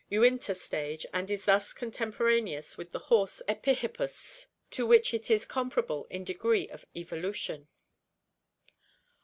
O _j CAMELS $35 Uinta stage and is thus contemporaneous with the horse Epihippus, to which it is comparable in degree of evolution.